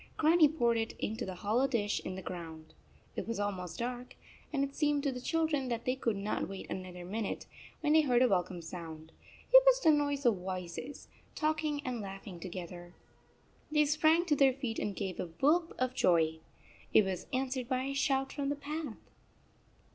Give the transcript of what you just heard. Grannie poured it into the hollow dish in the ground. It was almost dark, and it seemed to the children that they could not wait another minute, when they heard a welcome sound. It was the noise of voices, talking and laugh ing together. 31 They sprang to their feet and gave a whoop of joy. It was answered by a shout from the path.